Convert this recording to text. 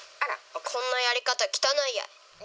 こんなやり方きたないや。